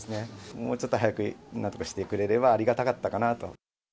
もうちょっと早くなんとかしてくれればありがたかったかなと。